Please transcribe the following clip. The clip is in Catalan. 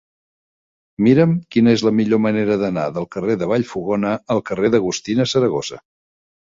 Mira'm quina és la millor manera d'anar del carrer de Vallfogona al carrer d'Agustina Saragossa.